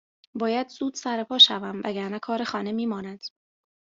باید زود سرپا شوم وگرنه کار خانه میماند